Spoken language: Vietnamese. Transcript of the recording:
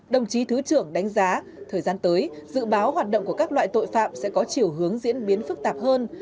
đồng chí thứ trưởng đánh giá thời gian tới dự báo hoạt động của các loại tội phạm sẽ có chiều hướng diễn biến phức tạp hơn